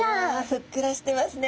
ふっくらしてますね。